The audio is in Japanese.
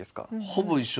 ほぼ一緒。